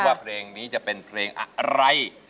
ว่าเพลงนี้จะเป็นเพลงอะไร